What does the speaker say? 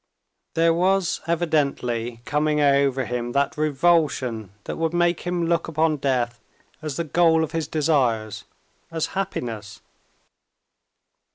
There was evidently coming over him that revulsion that would make him look upon death as the goal of his desires, as happiness.